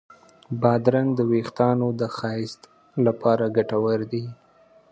بادرنګ د وېښتانو د ښایست لپاره ګټور دی.